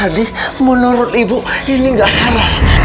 sadiq menurut ibu ini gak halal